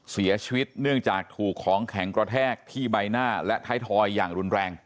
เสียชีวิตเนื่องจากถูกของแข็งกระแทกที่ใบหน้าและท้ายทอยอย่างรุนแรง